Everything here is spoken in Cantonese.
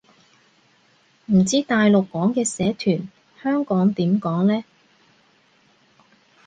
唔知大陸講嘅社團，香港點講呢